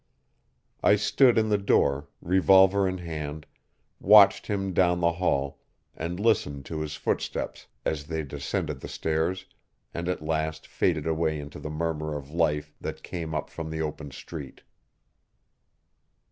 I stood in the door, revolver in hand, watched him down the hall, and listened to his footsteps as they descended the stairs and at last faded away into the murmur of life that came up from the open street.